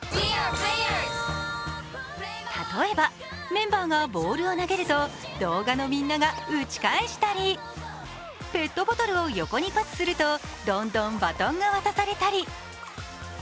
例えばメンバーがボールを投げると動画のみんなが打ち返したりペットボトルを横にパスすると、どんどんバトンが渡されたり。